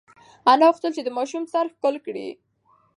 انا غوښتل چې د ماشوم سر ښکل کړي.